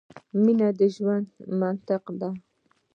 مینه د زړه منطق ده .